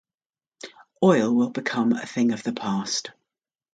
Oil will become a thing of the past.